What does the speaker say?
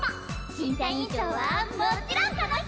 しんさ委員長はもちろんこの人！